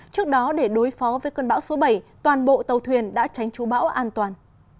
trước đó để đối phó với cơn bão số bảy toàn bộ tàu thuyền đã tránh trú bão an toàn